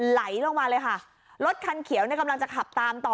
ไหลลงมาเลยค่ะรถคันเขียวเนี่ยกำลังจะขับตามต่อ